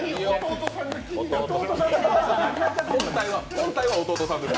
本体は弟さんです。